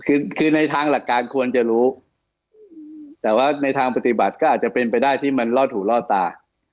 คือคือในทางหลักการควรจะรู้แต่ว่าในทางปฏิบัติก็อาจจะเป็นไปได้ที่มันลอดหูล่อตา